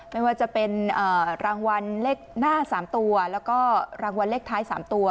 ไม่ว่าจะเป็นรางวัลเลขหน้า๓ตัวแล้วก็รางวัลเลขท้าย๓ตัว